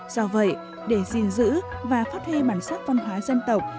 do vậy để gìn giữ và phát huy bản sắc văn hóa dân tộc